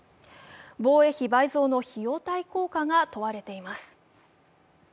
防衛費倍増の費用対効果が問われています。